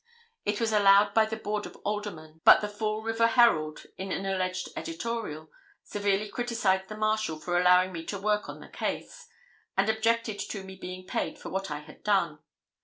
It was allowed by the Board of Aldermen, but the Fall River Herald, in an alleged editorial, severely criticised the Marshal for allowing me to work on the case, and objected to me being paid for what I had done.